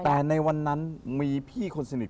แต่ในวันนั้นมีพี่คนสนิท